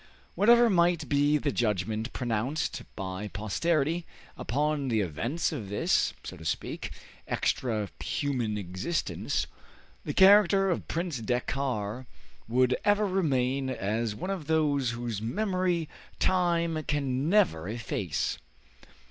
Whatever might be the judgment pronounced by posterity upon the events of this, so to speak, extra human existence, the character of Prince Dakkar would ever remain as one of those whose memory time can never efface.